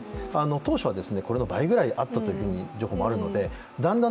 当初はこれの倍ぐらいあったという情報もあるのでだんだん